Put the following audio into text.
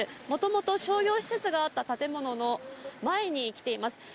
もともと商業施設があった建物の前に来ています。